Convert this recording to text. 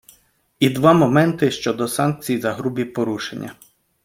І два моменти щодо санкцій за грубі порушення.